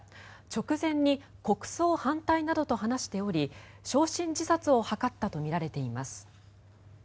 直前に国葬反対などと話しており焼身自殺を図ったとみられています。